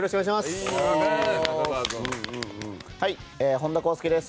本田康祐です。